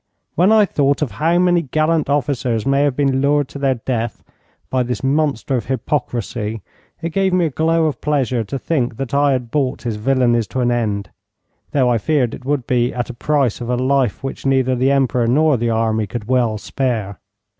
When I thought of how many gallant officers may have been lured to their death by this monster of hypocrisy, it gave me a glow of pleasure to think that I had brought his villainies to an end though I feared it would be at the price of a life which neither the Emperor nor the army could well spare.